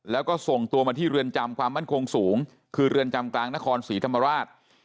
แล้วก็ส่งตัวมาที่เรือนจำความมั่นคงสูงคือเรือนจำกลางนครศรีธรรมราช